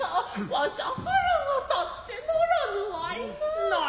わしゃ腹が立ってならぬわいなァ。